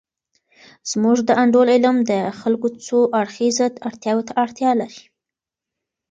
زمونږ د انډول علم د خلګو څو اړخیزه اړتیاوو ته اړتیا لري.